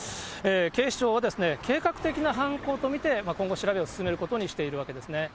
警視庁は計画的な犯行と見て、今後、調べを進めることにしているわけですね。